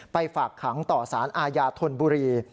ฝากขังต่อสารอาญาธนบุรี